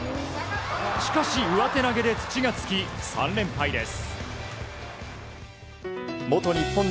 しかし、上手投げで土がつき３連敗です。